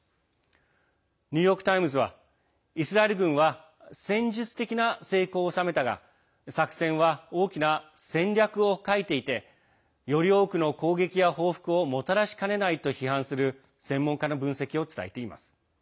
ニューヨーク・タイムズはイスラエル軍は戦術的な成功を収めたが作戦は大きな戦略を欠いていてより多くの攻撃や報復をもたらしかねないと批判する専門家の分析を伝えています。